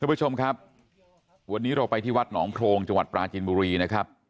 ผู้ชมครับวันนี้เราไปที่วัดหนองโพรงจังหวัดปราจินบุรีนะครับ